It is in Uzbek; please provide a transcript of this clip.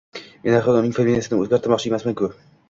Men axir uning familiyasini oʻzgartirmoqchi emasman-ku!